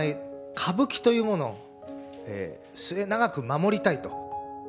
歌舞伎というものを末永く守りたいと。